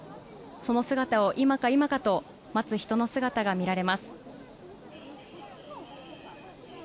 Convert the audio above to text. その姿を今か今かと待つ人の姿が見られます。